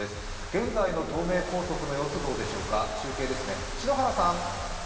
現在の東名高速の様子、どうでしょうか、中継ですね。